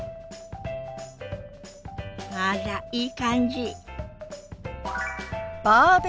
あらいい感じ。